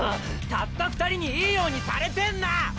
たった２人にいいようにされてんな！